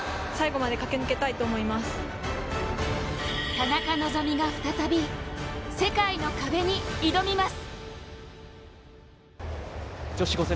田中希実が再び、世界の壁に挑みます。